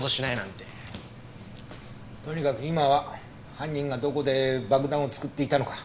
とにかく今は犯人がどこで爆弾を作っていたのか。